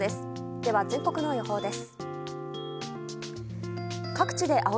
では全国の予報です。